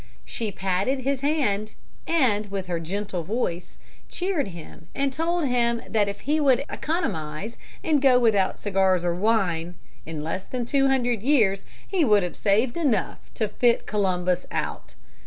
She patted his hand, and, with her gentle voice, cheered him and told him that if he would economize and go without cigars or wine, in less than two hundred years he would have saved enough to fit Columbus out.